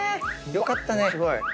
よかったね。